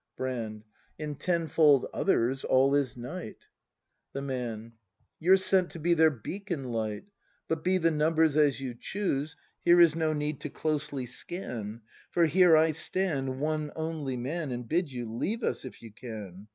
Brand. In tenfold others all is night. The Man. You're sent to be their beacon light. But be the numbers as you choose. Here is no need to closely scan; For here I stand, one only Man, And bid you: Leave us, if you can!